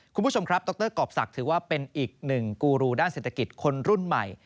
คุณผู้ชมครับดรกรอบศักดิ์ถือว่าเป็นอีกหนึ่งกูรูด้านเศรษฐกิจคนรุ่นใหม่